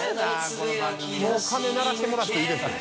もう鐘鳴らしてもらっていいですよ。）